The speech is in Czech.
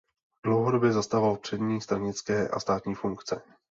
Dlouhodobě zastával přední stranické a státní funkce.